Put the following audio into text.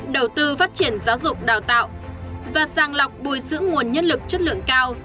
đầu tư phát triển giáo dục đào tạo và sàng lọc bồi sử nguồn nhân lực chất lượng cao